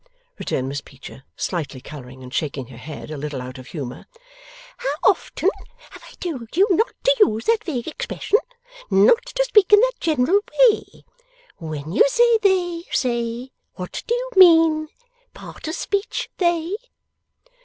returned Miss Peecher, slightly colouring and shaking her head, a little out of humour; 'how often have I told you not to use that vague expression, not to speak in that general way? When you say THEY say, what do you mean? Part of speech They?